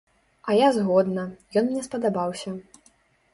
А я згодна, ён мне спадабаўся.